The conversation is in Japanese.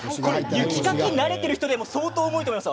雪かきに慣れている人でも相当重いと思います。